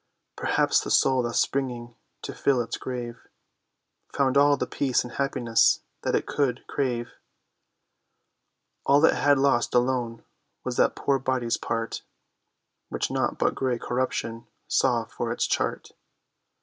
Perhaps the soul thus springing to fill its grave, Found all the peace and happiness that it could crave; All it had lost alone was that poor body's part Which naught but grey corruption saw for its chart.